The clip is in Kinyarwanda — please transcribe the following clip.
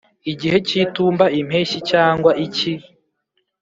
igihe cy'itumba, impeshyi, cyangwa icyi